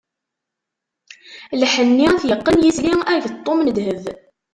Lḥenni ad t-yeqqen yisli, ageṭṭum n dheb.